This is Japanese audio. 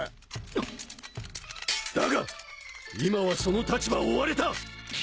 あっだが今はその立場を追われた！